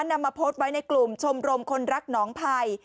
นำมาโพสต์ไว้ในกลุ่มชมรมคนรักหนองภัย